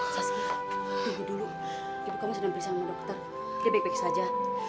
saskita ibu dulu ibu kamu sedang bersama dokter dia baik baik saja